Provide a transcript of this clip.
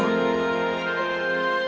ayolah hilario sudah menunggumu